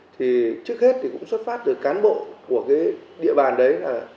thì trước hết thì cũng xuất phát từ cán bộ của cái địa bàn đấy